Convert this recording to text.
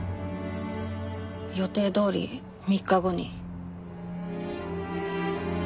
予定どおり３日後に。